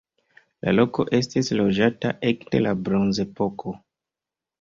La loko estis loĝata ekde la bronzepoko.